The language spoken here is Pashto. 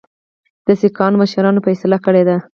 د سیکهانو مشرانو فیصله کړې ده.